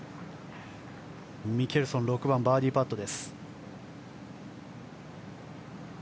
ミケルソン６番のバーディーパット。